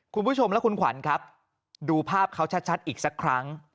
คุณผู้ชมและคุณขวัญครับดูภาพเขาชัดอีกสักครั้ง